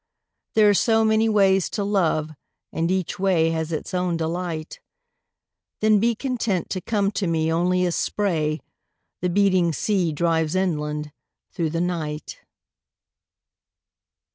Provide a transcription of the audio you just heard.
There are so many ways to love And each way has its own delight Then be content to come to me Only as spray the beating sea Drives inland through the night.